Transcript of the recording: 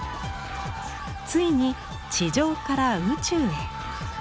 ついに地上から宇宙へ。